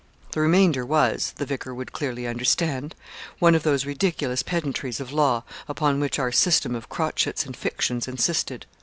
The remainder was the vicar would clearly understand one of those ridiculous pedantries of law, upon which our system of crotchets and fictions insisted.